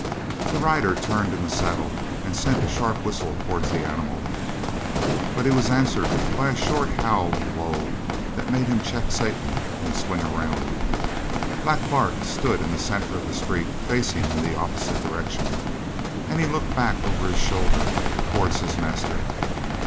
The rider turned in the saddle and sent a sharp whistle towards the animal, but he was answered by a short howl of woe that made him check Satan and swing around. Black Bart stood in the centre of the street facing in the opposite direction, and he looked back over his shoulder towards his master.